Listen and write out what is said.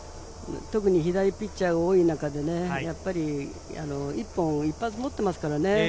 左ピッチャーが多い中で一発持っていますからね。